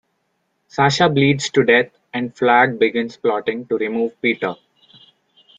Sasha bleeds to death and Flagg begins plotting to remove Peter.